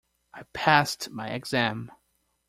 I passed my exam!